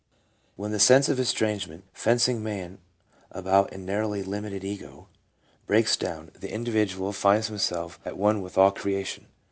When the sense of estrangement, fencing man about in a narrowly limited ego, breaks down, the individual finds him self " at one with all creation."